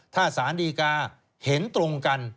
ถ้าสารดีกาเห็นตรงกัน